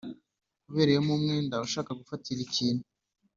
Uberewemo umwenda ushaka gufatira ikintu